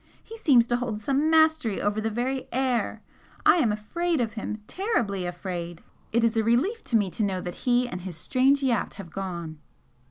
He seems to hold some mastery over the very air! I am afraid of him terribly afraid! It is a relief to me to know that he and his strange yacht have gone!"